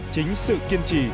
chính sự kiên trì